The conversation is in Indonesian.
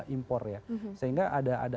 impor ya sehingga ada